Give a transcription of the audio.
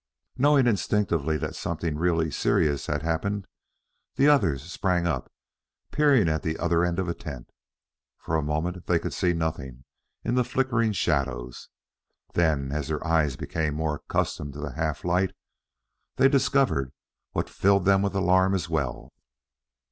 Knowing instinctively that something really serious had happened, the others sprang up, peering at the other end of the tent. For a moment, they could see nothing in the flickering shadows; then as their eyes became more accustomed to the half light, they discovered what filled them with alarm as well.